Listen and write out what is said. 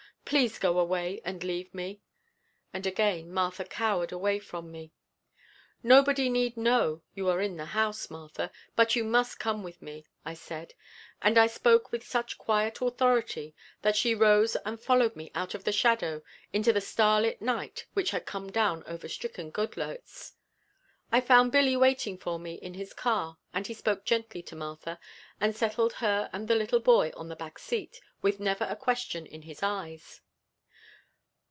Please go away and leave me!" And again Martha cowered away from me. "Nobody need know you are in the house, Martha, but you must come with me," I said, and I spoke with such quiet authority that she rose and followed me out of the shadows into the starlit night which had come down over stricken Goodloets. I found Billy waiting for me in his car and he spoke gently to Martha and settled her and the boy on the back seat with never a question in his kind eyes.